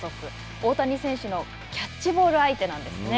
大谷選手のキャッチボール相手なんですね。